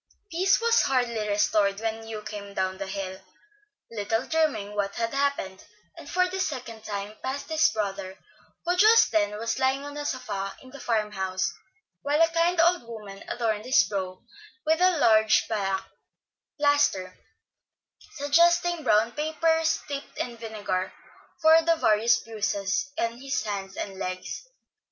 Peace was hardly restored when Hugh came down the hill, little dreaming what had happened, and for the second time passed his brother, who just then was lying on a sofa in the farm house, while a kind old woman adorned his brow with a large black plaster, suggesting brown paper steeped in vinegar, for the various bruises on his arms and legs.